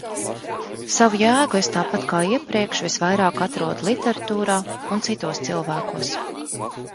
Savu jēgu es tāpat kā iepriekš visvairāk atrodu literatūrā un citos cilvēkos.